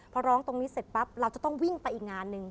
พอร้องตรงนี้เสร็จปั๊บเราจะต้องวิ่งไปอีกงานหนึ่ง